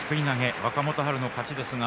若元春の勝ちです。